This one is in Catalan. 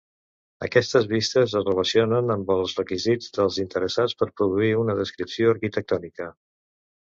Aquestes vistes es relacionen amb els requisits dels interessats per produir una Descripció Arquitectònica.